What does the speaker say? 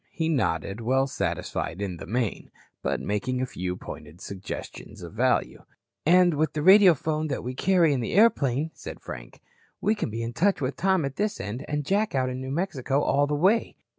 He nodded, well satisfied in the main, but making a few pointed suggestions of value. "And with the radiophone that we carry on the airplane," said Frank, "we can be in touch with Tom at this end and Jack out in New Mexico all the way.